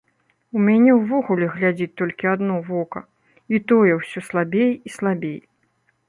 У мяне ўвогуле глядзіць толькі адно вока, і тое ўсё слабей і слабей.